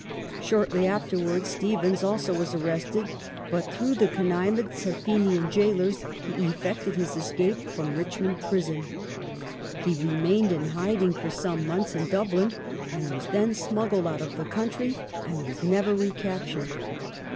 Shortly afterwards Stephens also was arrested but, through the connivance of Fenian gaolers, he effected his escape from Richmond prison. He remained in hiding for some months in Dublin and was then smuggled out of the country and was never recaptured.